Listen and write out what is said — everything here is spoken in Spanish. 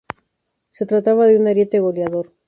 Se trataba de un ariete goleador.